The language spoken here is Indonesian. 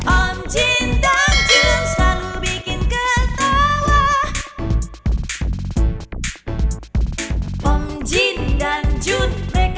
om jin dan jun